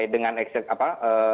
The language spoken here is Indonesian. dengan ekses apa